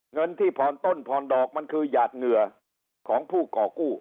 เงินที่ผ่อนต้นผ่อนดอกมันคือหยาดเหงื่อของผู้ก่อกู้